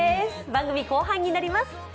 番組後半になります。